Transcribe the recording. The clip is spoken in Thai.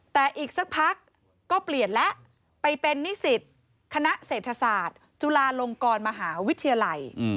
แต่อีกสักพักก็เปลี่ยนแล้วไปเป็นนิสิตคณะเศรษฐศาสตร์จุฬาลงกรมหาวิทยาลัย